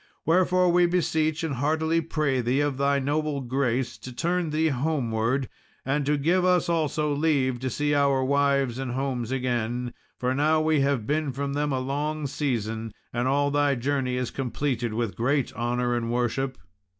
Wherefore we beseech and heartily pray thee of thy noble grace, to turn thee homeward, and to give us also leave to see our wives and homes again, for now we have been from them a long season, and all thy journey is completed with great honour and worship."